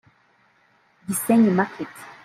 Gisenyi market